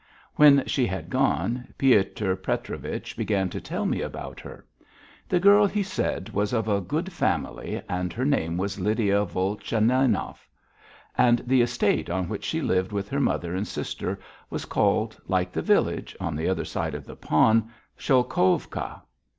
When she had gone Piotr Petrovich began to tell me about her. The girl, he said, was of a good family and her name was Lydia Volchaninov, and the estate, on which she lived with her mother and sister, was called, like the village on the other side of the pond, Sholkovka.